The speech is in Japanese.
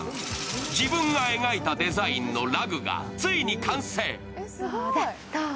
自分が描いたデザインのラグがついに完成。